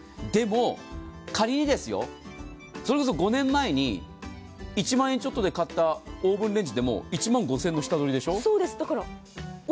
でも、仮にそれこそ５年前に１万円ちょっとで買ったオーブンレンジでも１万５０００円の下取りでしょ。